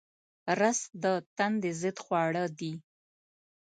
رس د تندې ضد خواړه دي